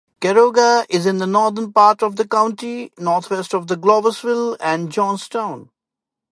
Caroga is in the northern part of the county, northwest of Gloversville and Johnstown.